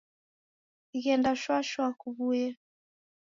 Ghenda shwa shwa kuw'uye